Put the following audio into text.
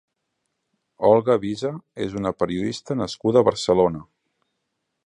Olga Viza és una periodista nascuda a Barcelona.